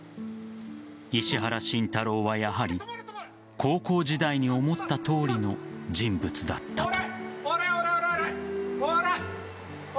石原慎太郎はやはり、高校時代に思ったとおりの人物だった。